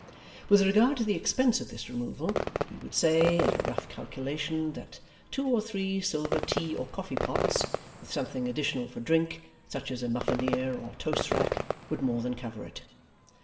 With regard to the expense of this removal, he would say, at a rough calculation, that two or three silver tea or coffee pots, with something additional for drink (such as a muffineer, or toast rack), would more than cover it.